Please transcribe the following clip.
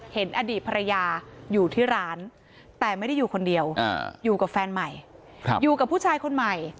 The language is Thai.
เห็นอดีตภรรยาอยู่ที่ร้านแต่ไม่ได้อยู่คนเดียวอยู่กับแฟนใหม่อยู่กับผู้ชายคนใหม่